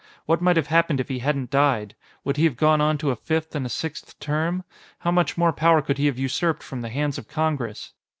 What might have happened if he hadn't died? Would he have gone on to a fifth and a sixth term? How much more power could he have usurped from the hands of Congress?"